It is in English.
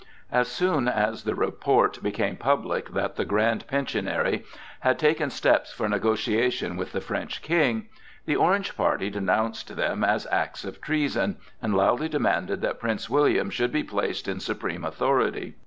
As soon as the report became public that the Grand Pensionary had taken steps for negotiations with the French King, the Orange party denounced them as acts of treason, and loudly demanded that Prince William should be placed in supreme authority.